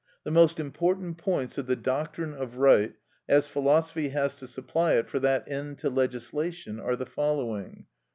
The most important points of the doctrine of right, as philosophy has to supply it for that end to legislation, are the following: 1.